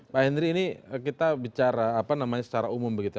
pak henry ini kita bicara apa namanya secara umum begitu